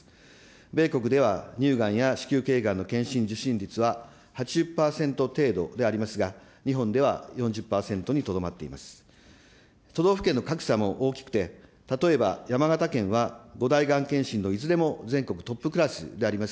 米国では乳がんや子宮けいがんの検診、受診率は８０％程度でありますが、日本では４０％にとどまっています。